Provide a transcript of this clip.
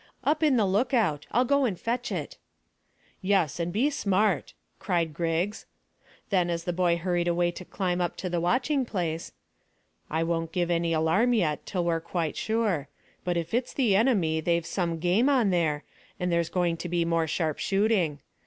"Up in the lookout. I'll go and fetch it." "Yes, and be smart," cried Griggs. Then, as the boy hurried away to climb up to the watching place "I won't give any alarm yet till we're quite sure. But if it's the enemy they've some game on there, and there's going to be more sharp shooting.